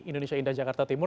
indonesia indah jakarta timur